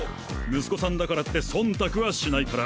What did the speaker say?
息子さんだからって忖度はしないから！